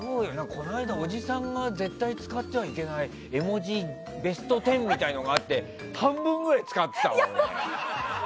この間、おじさんが絶対使ってはいけない絵文字ベスト１０みたいなのがあって半分ぐらい使ってたわ、俺。